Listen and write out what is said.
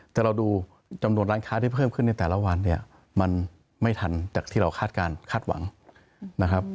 แต่เราดูจำนวนร้านค้าที่เพิ่มขึ้นในแต่ละวันเนี่ยมันไม่ทันจากที่เราคาดการคาดหวังนะครับ